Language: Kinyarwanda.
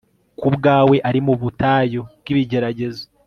ku bwawe ari mu butayu bwibigeragezo